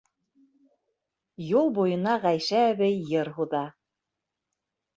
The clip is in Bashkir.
Юл буйына Ғәйшә әбей йыр һуҙа.